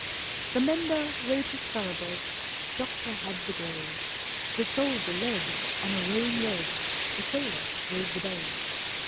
The Member rode his thoroughbred, Doctor had the gray, The Soldier led on a roan red, The Sailor rode the bay.